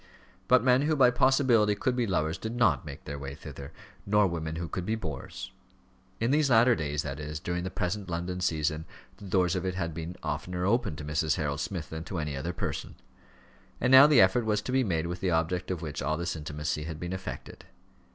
But men who by possibility could be lovers did not make their way thither, nor women who could be bores. In these latter days, that is, during the present London season, the doors of it had been oftener opened to Mrs. Harold Smith than to any other person. And now the effort was to be made with the object of which all this intimacy had been effected.